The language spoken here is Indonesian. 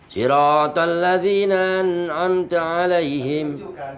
shiratan lazeenan anta'alayhim